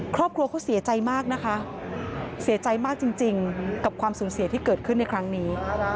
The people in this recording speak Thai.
ครอบครัวเขาเสียใจมากนะคะเสียใจมากจริงกับความสูญเสียที่เกิดขึ้นในครั้งนี้